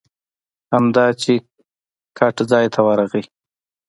همدا چې ګټ ځای ته ورغی.